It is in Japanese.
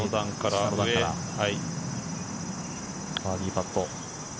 バーディーパット。